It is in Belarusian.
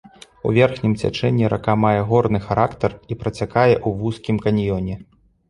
У верхнім цячэнні рака мае горны характар і працякае ў вузкім каньёне.